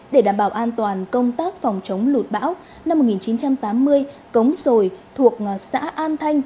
để đảm bảo an toàn công tác phòng chống lụt bão năm một nghìn chín trăm tám mươi cống sồi thuộc xã an thanh